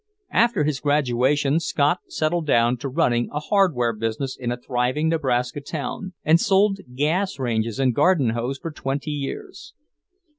After his graduation, Scott settled down to running a hardware business in a thriving Nebraska town, and sold gas ranges and garden hose for twenty years.